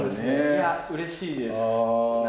いやうれしいです。